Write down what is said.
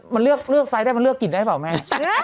มันเลือกไซส์ได้มันเลือกกลิ่นได้เปล่าแม่